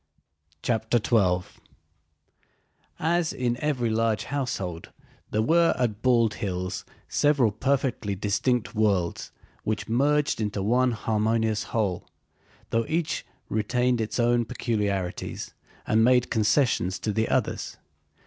CHAPTER XII As in every large household, there were at Bald Hills several perfectly distinct worlds which merged into one harmonious whole, though each retained its own peculiarities and made concessions to the others.